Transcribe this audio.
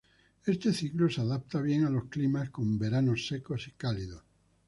Este ciclo se adapta bien a los climas con veranos secos y cálidos.